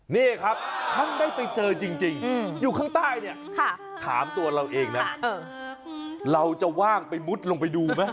นี่ครับท่านได้ไปเจอจริงอยู่ข้างใต้เนี่ยถามตัวเราเองนะเราจะว่างไปมุดลงไปดูไหม